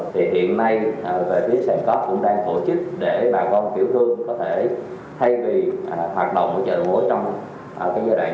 thì hiện nay về phía sở công thương cũng đang tổ chức để bà con tiểu thương có thể thay vì hoạt động ở chợ đầu mối trong giai đoạn